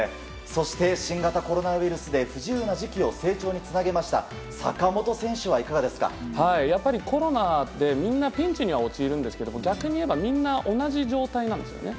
そして新型コロナウイルスで不自由な時期を成長につなげましたやっぱりコロナでみんなピンチには陥るんですけど逆に言うとみんな同じ状態なんですよね。